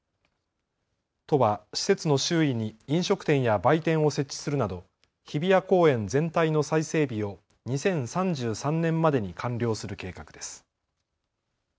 都は施設の周囲に飲食店や売店を設置するなど、日比谷公園全体の再整備を２０３３年までに完了する計画です。